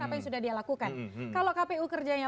apa yang sudah dia lakukan kalau kpu kerjanya